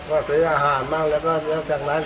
เคยวัดถืออาหารมากแล้วก็จากนั้นก็